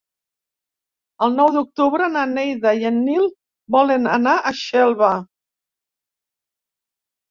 El nou d'octubre na Neida i en Nil volen anar a Xelva.